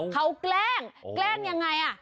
เขาแกล้งแกล้งยังไง